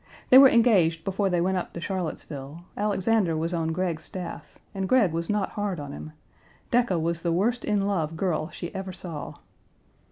They were engaged before they went up to Charlottesville; Alexander was on Gregg's staff, and Gregg was not hard on him; Decca was the worst in love girl she ever saw.